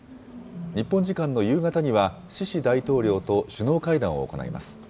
日本時間の夕方にはシシ大統領と首脳会談を行います。